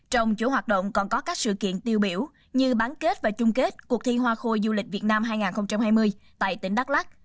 trong chủ hoạt động còn có các sự kiện tiêu biểu như bán kết và chung kết cuộc thi hoa khôi du lịch việt nam hai nghìn hai mươi tại tỉnh đắk lắc